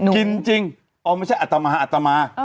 จริงอ๋อไม่ใช่อัตมาอัตมา